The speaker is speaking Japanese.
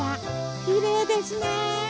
きれいですね。